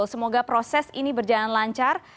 semoga proses ini berjalan lancar